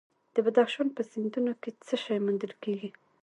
د بدخشان په سیندونو کې څه شی موندل کیږي؟